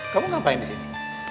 kamu ngapain di sini